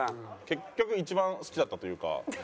結局一番好きだったというか。